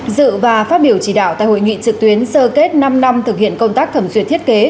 dự và phát biểu chỉ đạo tại hội nghị trực tuyến sơ kết năm năm thực hiện công tác thẩm duyệt thiết kế